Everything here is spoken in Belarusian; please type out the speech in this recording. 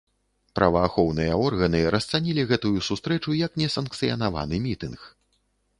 Праваахоўныя органы расцанілі гэтую сустрэчу як несанкцыянаваны мітынг.